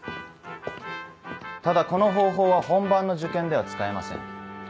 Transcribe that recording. ただこの方法は本番の受験では使えません。